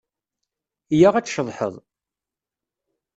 Iyya ad tceḍḥeḍ!